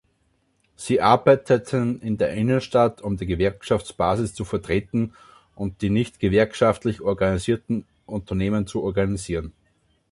Sie arbeiteten in der Innenstadt, um die Gewerkschaftsbasis zu vertreten und die nicht gewerkschaftlich organisierten Unternehmen zu organisieren.